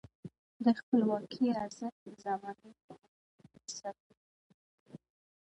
د خپلواکۍ ارزښت د زمانې په اوږدو کې ثابتیږي.